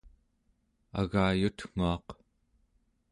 agayutnguaq